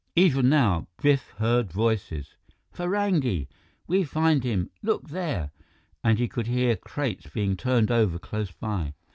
Even now, Biff heard voices: "Farangi we find him look there...." And he could hear crates being turned over close by.